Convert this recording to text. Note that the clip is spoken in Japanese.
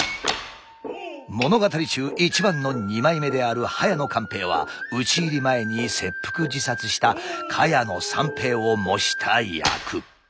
物語中一番の二枚目である早野勘平は討ち入り前に切腹自殺した萱野三平を模した役。